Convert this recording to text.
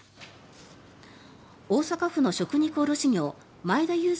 大阪府の食肉卸業前田裕介